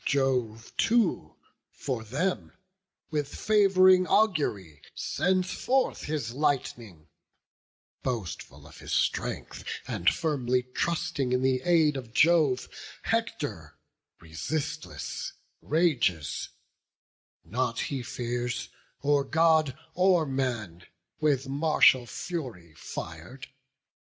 Jove too for them, with fav'ring augury Sends forth his lightning; boastful of his strength, And firmly trusting in the aid of Jove, Hector, resistless, rages; nought he fears Or God or man, with martial fury fir'd.